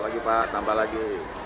dia go tambah lagi